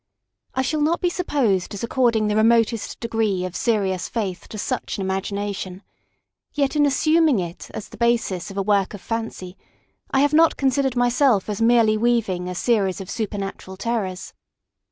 I shall not be supposed as according the remotest degree of serious faith to such an imagination; yet, in assuming it as the basis of a work of fancy, I have not considered myself as merely weaving a series of supernatural terrors.